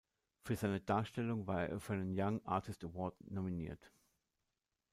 Für seine Darstellung war er für einen Young Artist Award nominiert.